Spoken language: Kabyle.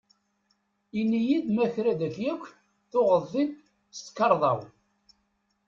Ini-iyi-d ma kra dagi akk tuɣeḍ-t-id s tkarḍa-w?